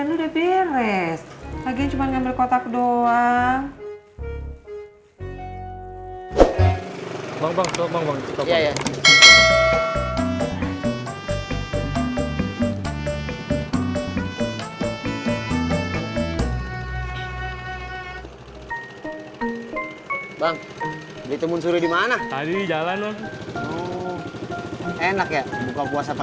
minjem ke temennya bagas